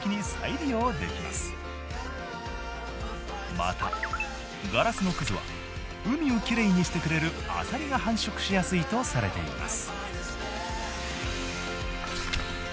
またガラスのくずは海をきれいにしてくれるアサリが繁殖しやすいとされています。